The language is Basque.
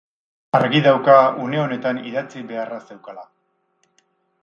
Argi dauka une honetan idatzi beharra zeukala.